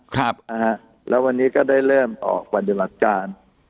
ครับนะฮะแล้ววันนี้ก็ได้เริ่มออกวันหยุดหลักการ